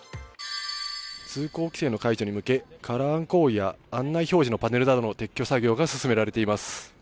通行規制の解除に向けカラーコーンや案内表示のパネルなどの撤去作業が進められています